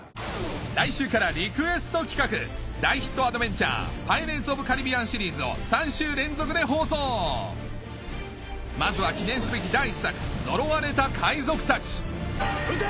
来週からリクエスト企画大ヒットアドベンチャー『パイレーツ・オブ・カリビアン』シリーズを３週連続で放送まずは記念すべき第１作『呪われた海賊たち』撃て！